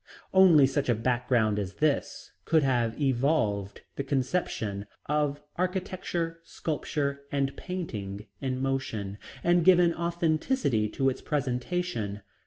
Only such a background as this could have evolved the conception of "Architecture, sculpture, and painting in motion" and given authenticity to its presentation.